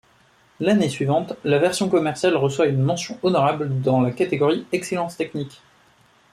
L'année suivante, la version commerciale reçoit une mention honorable dans la catégorie Excellence technique.